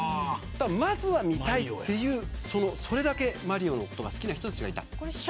まずは見たいというそれだけマリオが好きな人たちがいた。